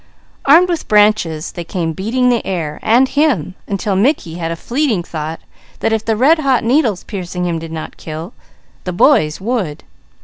Armed with branches they came beating the air and him; until Mickey had a fleeting thought that if the red hot needles piercing him did not kill, the boys would.